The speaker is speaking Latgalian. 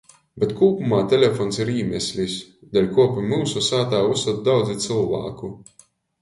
Bet kūpumā telefons ir īmeslis, deļkuo pi myusu sātā vysod daudzi cylvāku.